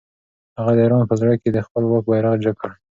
هغه د ایران په زړه کې د خپل واک بیرغ جګ کړ.